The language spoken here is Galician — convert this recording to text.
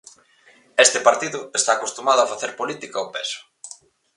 Este partido está acostumado a facer política ao peso.